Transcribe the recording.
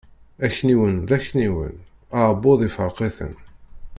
Akniwen d akniwen, aɛebbuḍ ifreq-iten.